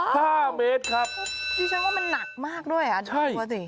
ห้าเมตรครับดิฉันว่ามันหนักมากด้วยอ่ะดูสิ